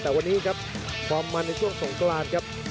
แต่วันนี้ครับความมันในช่วงสงกรานครับ